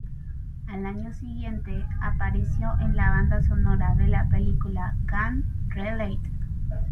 Al año siguiente, apareció en la banda sonora de la película Gang Related.